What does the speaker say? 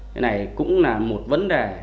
cái này cũng là một vấn đề